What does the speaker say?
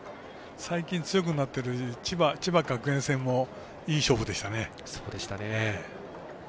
最近、強くなっている千葉学芸戦もいい勝負でしたね。